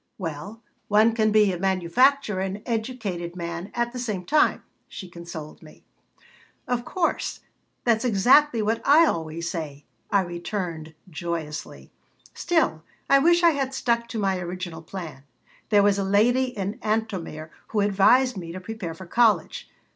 "Well, one can be a manufacturer and educated man at the same time," she consoled me "Of course. That's exactly what I always say," I returned, joyously. "Still, I wish I had stuck to my original plan. There was a lady in Antomir who advised me to prepare for college.